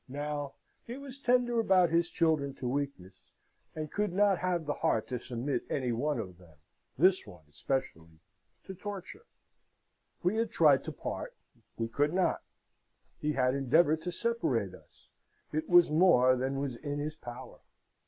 Now he was tender about his children to weakness, and could not have the heart to submit any one of them this one especially to torture. We had tried to part: we could not. He had endeavoured to separate us: it was more than was in his power.